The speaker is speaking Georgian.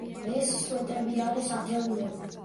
ეს სვეტები არის ათეულები.